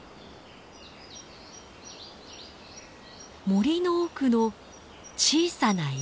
森の奥の小さな池。